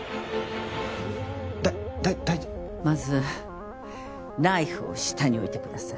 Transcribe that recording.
まずナイフを下に置いてください。